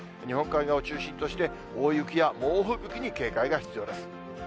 日本海側を中心として、大雪や猛吹雪に警戒が必要です。